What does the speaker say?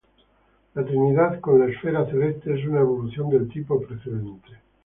La Trinidad con la esfera celeste es una evolución del tipo precedente.